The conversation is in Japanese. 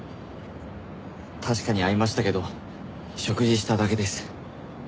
確かに会いましたけど食事しただけです。